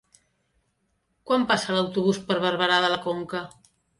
Quan passa l'autobús per Barberà de la Conca?